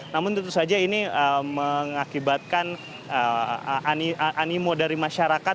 namun tentu saja ini mengakibatkan animo dari masyarakat